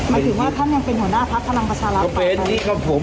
หมายถึงว่าท่านยังเป็นหัวหน้าภักษ์พลังภาษาลักษณ์เป็นที่ครับผม